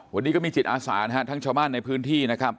วันนี้ก็มีจิตอาสานะฮะทั้งชาวบ้านในพื้นที่นะครับ